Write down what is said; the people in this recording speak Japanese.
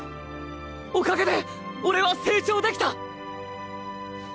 おかげで俺は成長できた！